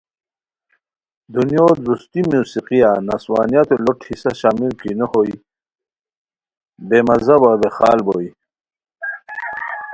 دنیو درستی موسیقیہ نسوانیتو لوٹ حصہ شامل کی نو ہوئے بے مزہ وا ویخال